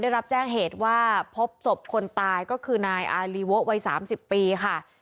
ได้รับแจ้งเหตุว่าพบศพคนตายก็คือนายอารีโวะวัย๓๐ปีค่ะ